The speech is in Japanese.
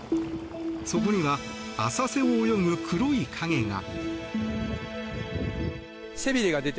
そこには浅瀬を泳ぐ黒い影が。